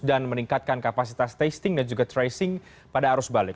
dan meningkatkan kapasitas testing dan juga tracing pada arus balik